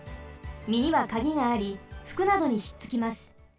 みにはカギがありふくなどにひっつきます。